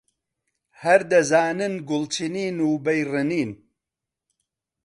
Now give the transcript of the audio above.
هەر دەزانن گوڵ چنین و بەی ڕنین